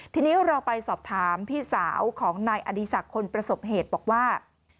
ทีนี้เราไปสอบถามพี่สาวของนายอดีศักดิ์คนประสบเหตุบอกว่า